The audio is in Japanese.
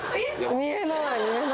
見えない。